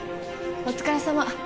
お疲れさま。